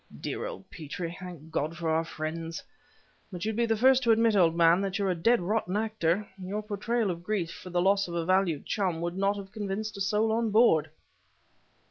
"Dear old Petrie! Thank God for our friends! But you'd be the first to admit, old man, that you're a dead rotten actor! Your portrayal of grief for the loss of a valued chum would not have convinced a soul on board!